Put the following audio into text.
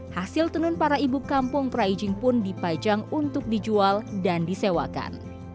hasil tenun para ibu kampung praijing pun dipajang untuk dijual dan disewakan